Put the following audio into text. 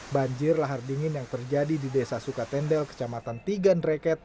banjir lahar dingin yang terjadi di desa sukatendel kecamatan tiganreket